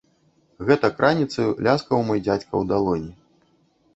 Гэтак раніцаю ляскаў мой дзядзька ў далоні.